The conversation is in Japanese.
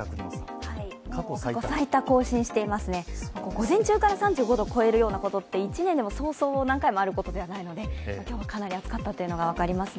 午前中から３５度を超えるようなことって、１年でそうそう何回もあることではないので今日もかなり暑かったというのが分かりますね。